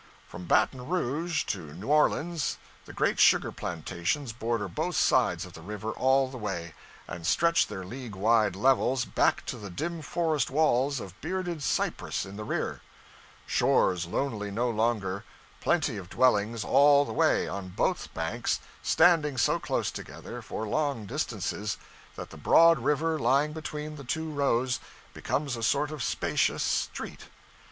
From Baton Rouge to New Orleans, the great sugar plantations border both sides of the river all the way, and stretch their league wide levels back to the dim forest walls of bearded cypress in the rear. Shores lonely no longer. Plenty of dwellings all the way, on both banks standing so close together, for long distances, that the broad river lying between the two rows, becomes a sort of spacious street.